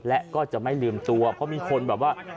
และก็จะไม่ลืมตัวเพราะมีคนแบบว่า